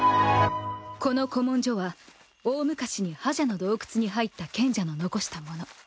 この古文書は大昔に破邪の洞窟に入った賢者の残したもの。